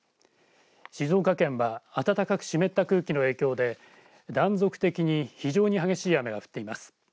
静岡県は暖かく湿った空気の影響で断続的に非常に激しい雨が降っています。